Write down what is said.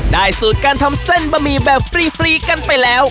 สูตรการทำเส้นบะหมี่แบบฟรีกันไปแล้ว